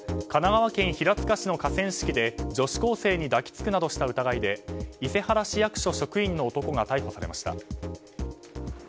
神奈川県平塚市の河川敷で女子高校生に抱き着くなどした疑いで伊勢原市役所職員の男が逮捕されました。